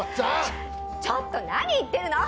ちょっと何言ってるの？